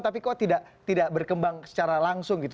tapi kok tidak berkembang secara langsung gitu